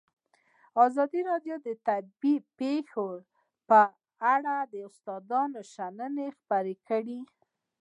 ازادي راډیو د طبیعي پېښې په اړه د استادانو شننې خپرې کړي.